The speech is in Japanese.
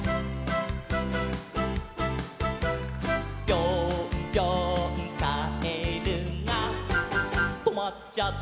「ぴょんぴょんカエルがとまっちゃった」